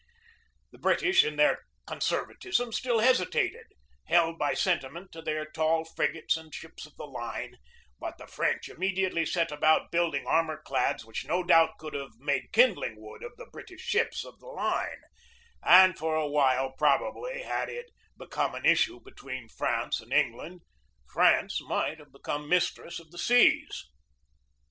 The British in their conservatism still hesitated, held by sentiment to their tall frig ates and ships of the line, but the French immediately set about building armor clads which no doubt could have made kindling wood of the British ships of the line; and for a while, probably, had it become an issue between France and England, France might have become mistress of the seas.